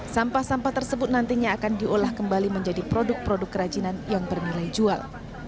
sampah sampah tersebut nantinya akan diolah kembali menjadi produk produk kerajinan yang bernilai jual